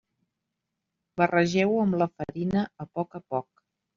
Barregeu-ho amb la farina a poc a poc.